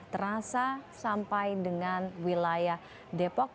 terasa sampai dengan wilayah depok